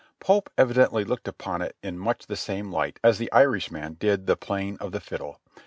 Pope evidently looked upon it much in the same light as the Irishman did the playing of the fiddle.